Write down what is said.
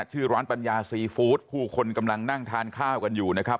ชื่อร้านปัญญาซีฟู้ดผู้คนกำลังนั่งทานข้าวกันอยู่นะครับ